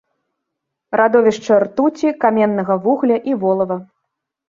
Радовішча ртуці, каменнага вугля і волава.